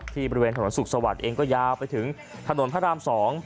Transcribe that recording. บริเวณถนนสุขสวรรค์เองก็ยาวไปถึงถนนพระราม๒